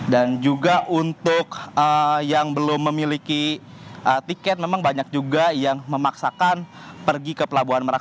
dan juga untuk yang belum memiliki tiket memang banyak juga yang memaksakan pergi ke pelabuhan merak